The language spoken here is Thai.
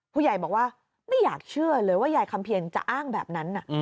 ผู้ใหญ่บอกว่าไม่อยากเชื่อเลยว่ายายคำเพียรจะอ้างแบบนั้น